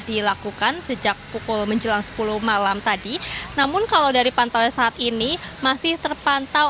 dilakukan sejak pukul menjelang sepuluh malam tadi namun kalau dari pantauan saat ini masih terpantau